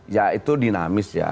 ya itu dinamis ya